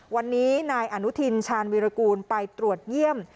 วันนี้นายอนุทินชาญวิรากูลไปตรวจเยี่ยม